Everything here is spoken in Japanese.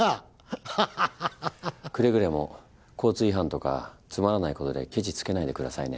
くれぐれも交通違反とかつまらないことでけちつけないでくださいね？